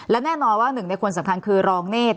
และแน่นอนว่าหนึ่งในคนสำคัญคือรองเนธ